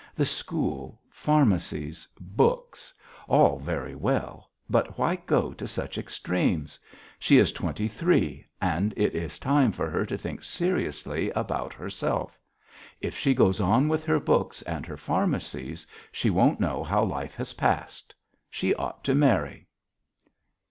The school, pharmacies, books all very well, but why go to such extremes? She is twenty three and it is time for her to think seriously about herself. If she goes on with her books and her pharmacies she won't know how life has passed.... She ought to marry."